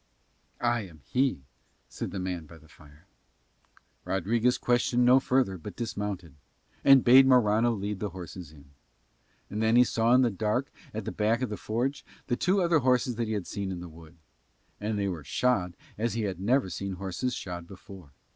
"I am he," said the man by the fire. Rodriguez questioned no further but dismounted, and bade Morano lead the horses in. And then he saw in the dark at the back of the forge the other two horses that he had seen in the wood. And they were shod as he had never seen horses shod before.